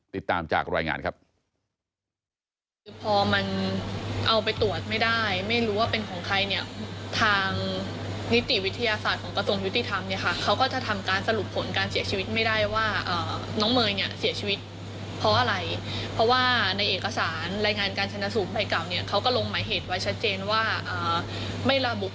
ติดตามจากรายงานครับ